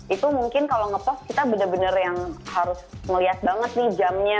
itu mungkin kalau ngepost kita benar benar yang harus ngelihat banget nih jamnya